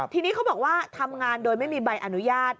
ทีนี้เขาบอกว่าทำงานโดยไม่มีใบอนุญาต